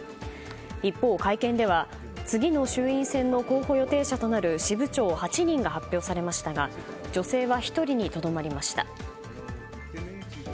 一方、会見では次の衆院選の候補予定者となる支部長８人が発表されましたが女性は１人にとどまりました。